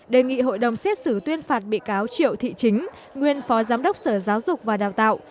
đề nghị hội đồng xét xử tuyên phạt bị cáo triệu thị chính nguyên phó giám đốc sở giáo dục và đào tạo